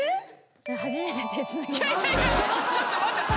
初めて手つなぎます。